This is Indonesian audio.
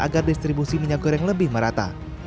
agar distribusi minyak goreng lebih merata